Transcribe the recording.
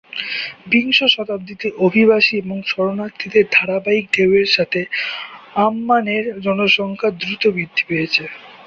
বিংশ শতাব্দীতে অভিবাসী এবং শরণার্থীদের ধারাবাহিক ঢেউয়ের সাথে আম্মানের জনসংখ্যা দ্রুত বৃদ্ধি পেয়েছে।